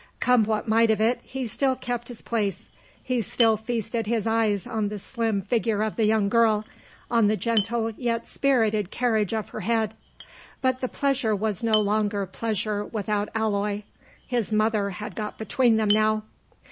Come what might of it, he still kept his place; he still feasted his eyes on the slim figure of the young girl, on the gentle yet spirited carriage of her head. But the pleasure was no longer pleasure without alloy. His mother had got between them now.